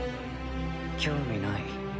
興味ない。